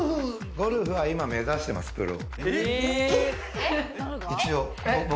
ゴルフは今目指してます、プロ。